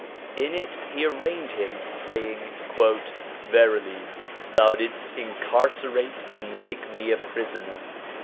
In it he arraigned him, saying "Verily thou didst in carcerate and make me a prisoner.